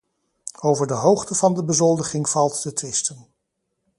Over de hoogte van de bezoldiging valt te twisten.